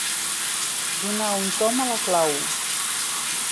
Donar un tomb a la clau.